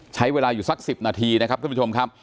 ใช้เวลาอยู่สัก๑๐นาทีนะครับท่านผู้ชมครับ